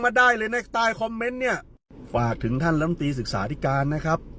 มาได้เลยในใต้คอมเมนต์เนี่ยฝากถึงท่านลำตีศึกษาธิการนะครับ